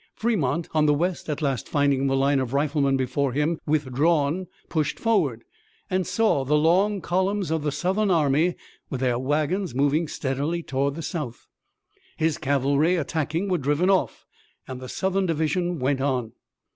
Fremont on the west at last finding the line of riflemen before him withdrawn, pushed forward, and saw the long columns of the Southern army with their wagons moving steadily toward the south. His cavalry attacking were driven off and the Southern division went on.